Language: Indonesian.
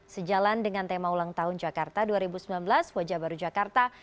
sejalan dengan tema ulang tahun jakarta dua ribu sembilan belas wajah baru jakarta